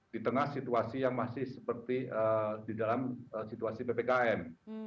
di tengah situasi yang masih seperti di dalam situasi ppkm